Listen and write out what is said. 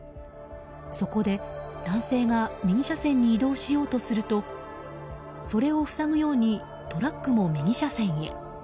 そこで男性が右車線に移動しようとするとそれを塞ぐようにトラックも右車線へ。